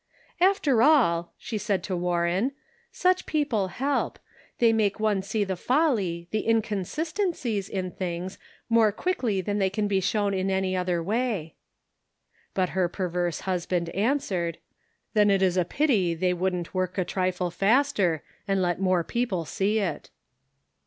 "After all," she said to Warren, "such people help ; they make one see the folly, the The Ends Meet. 333 inconsistencies in things more quickly than they can be shown in any other way." But her perverse husband answered : "Then it is a pity they wouldn't work a trifle faster, and let more people see it."